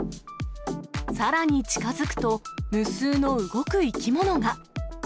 さらに近づくと、無数の動く生き物が。